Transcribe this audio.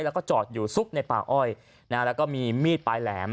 แล้วก็จอดอยู่ซุกในป่าอ้อยนะฮะแล้วก็มีมีดปลายแหลม